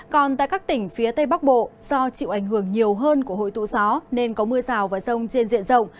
còn tại các tỉnh phía tây bắc bộ do chịu ảnh hưởng nhiều hơn của hội tụ gió nên có mưa rào và rông trên diện rộng